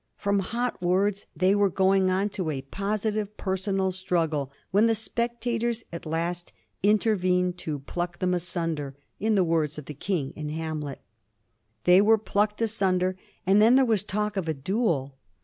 From hot words they were going on to a positive personal struggle, when the spectators at last intervened to ' pluck them asunder,' in the words of the King in * Hamlet.' They were plucked asunder, and then there was talk of a duel.